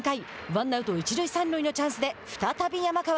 ワンアウト、一塁三塁のチャンスで再び山川。